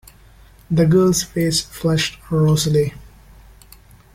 The girl's face flushed rosily.